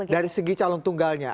dari segi calon tunggalnya